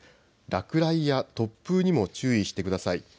落雷や突風にも注意してください。